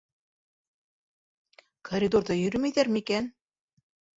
Коридорҙа йөрөмәйҙәрме икән?